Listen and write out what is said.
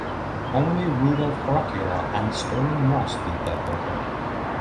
Only Rudolf Caracciola and Stirling Moss beat that record.